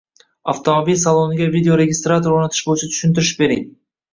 Avtomobil saloniga videoregistrator o‘rnatish bo‘yicha tushuntirish bering?